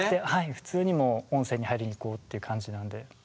普通にもう温泉に入りに行こうという感じなので。